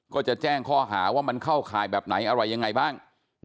ก็จะแจ้งข้อหาว่ามันเข้าข่ายแบบไหนอะไรยังไงบ้าง